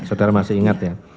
saudara masih ingat ya